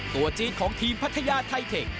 ตัวจีนของทีมพัทยาไทเทค